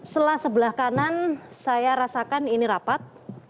setelah sebelah kanan saya rasakan ini rapat